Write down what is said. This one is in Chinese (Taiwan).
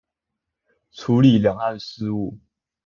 處理兩岸事務